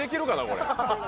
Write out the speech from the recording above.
これ？